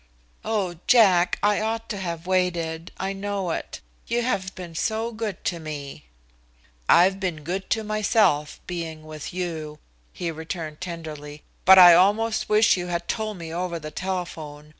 "Oh! Jack! I ought to have waited: I know it. You have been so good to me" "I've been good to myself, being with you," he returned tenderly. "But I almost wish you had told me over the telephone.